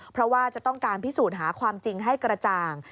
เพราะว่าจะต้องการพิสูจน์หาความจริงให้กระจ่าง